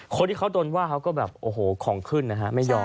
คนที่เขาโดนว่าเขาก็แบบโอ้โหของขึ้นนะฮะไม่ยอม